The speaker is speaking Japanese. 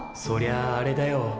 そりゃああれだよ。